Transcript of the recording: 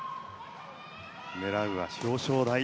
狙うは表彰台。